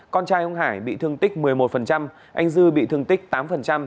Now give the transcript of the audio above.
con trai ông hải bị thương tích một mươi một anh dư bị thương tích tám